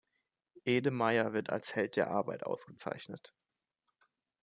Ede Meier wird als „Held der Arbeit“ ausgezeichnet.